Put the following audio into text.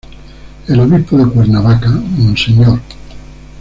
El Obispo de Cuernavaca Mons.